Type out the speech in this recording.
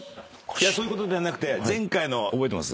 そういうことではなくて前回の覚えてます？